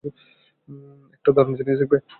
একটা দারুণ জিনিস দেখবে?